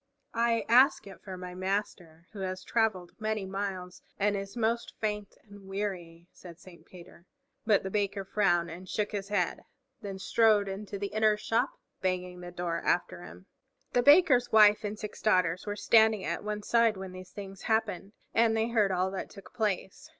"I ask it for my Master, who has traveled many miles and is most faint and weary," said Saint Peter. But the Baker frowned and shook his head, then strode into the inner shop, banging the door after him. The Baker's wife and six daughters were standing at one side when these things happened, and they heard all that took place.